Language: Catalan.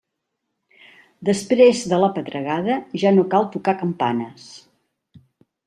Després de la pedregada ja no cal tocar campanes.